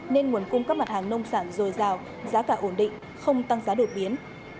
nên nguồn cung cấp mặt hàng nông sản dồi dào giá cả ổn định không tăng giá được biến